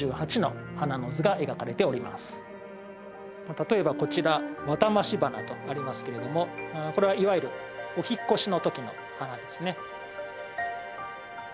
例えばこちら「ワタマシ花」とありますけれどもこれはいわゆるお引っ越しの時の花ですね。